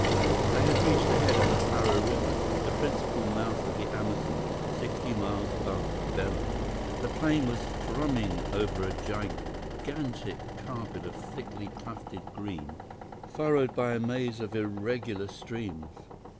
They had reached the head of the Para River, the principal mouth of the Amazon, sixty miles above Belem. The plane was thrumming over a gigantic carpet of thickly tufted green, furrowed by a maze of irregular streams.